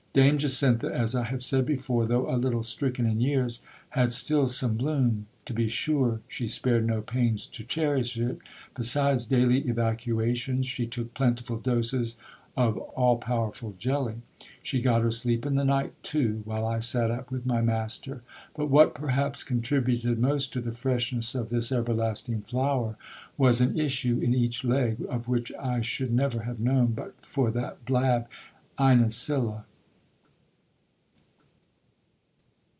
Dame Jacintha, as I have said before, though a little stricken in years, had still some bloom. To be sure, she spared no pains to cherish it : besides daily evacuations, she took plentiful doses of all powerful jelly. She got her sleep in the night too, while I sat up with my master. But what perhaps con tributed most to the freshness of this everlasting flower, was an issue in each leg, of which I should never have known, but for that blab Inesilla.